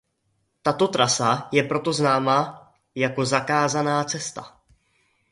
Tato trasa je proto známa jako Zakázaná cesta.